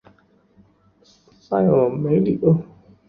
塞尔梅里厄。